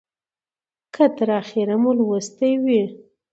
که تر اخیره مو لوستې وي